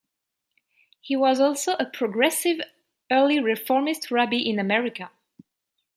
He was also a progressive, early reformist rabbi in America.